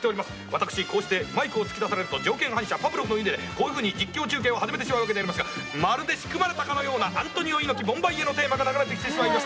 私こうしてマイクを突き出されると条件反射パブロフの犬でこういうふうに実況中継を始めてしまうわけでありますがまるで仕組まれたかのようなアントニオ猪木ボンバイエのテーマが流れてきてしまいました。